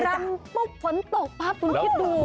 รัมปุ้งฝนตกปราบถุงพิษดู